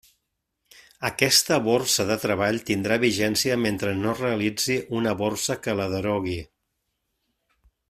Aquesta borsa de treball tindrà vigència mentre no es realitzi una borsa que la derogui.